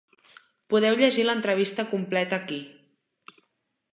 Podeu llegir l’entrevista completa aquí.